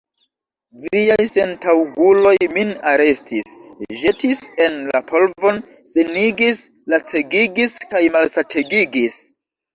Viaj sentaŭguloj min arestis, ĵetis en la polvon, senigis, lacegigis kaj malsategigis.